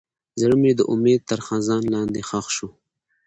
زړه مې د امید تر خزان لاندې ښخ شو.